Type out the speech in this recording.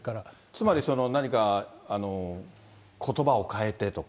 つまり何かことばを変えてとか？